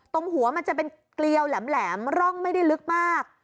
ตรงหัวมันจะเป็นเกลียวแหลมร่องไม่ได้ลึกมาก